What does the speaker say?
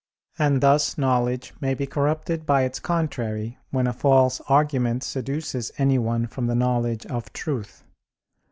And thus knowledge may be corrupted by its contrary when a false argument seduces anyone from the knowledge of truth.